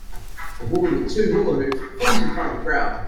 A woman with two hula hoops performs in front of a crowd.